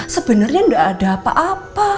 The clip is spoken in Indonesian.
sebenernya gak ada apa apa